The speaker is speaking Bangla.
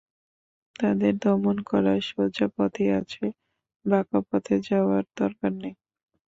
তাদের দমন করার সোজা পথই আছে, বাঁকা পথে যাওয়ার দরকার নেই।